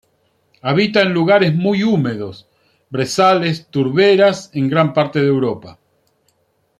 Habita en lugares muy húmedos, brezales, turberas en gran parte de Europa.